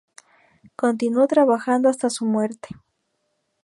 Continuó trabajando hasta su muerte.